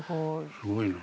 すごいな。